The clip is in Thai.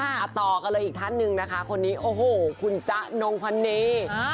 ต่อกันเลยอีกท่านหนึ่งนะคะคนนี้โอ้โหคุณจ๊ะนงพนี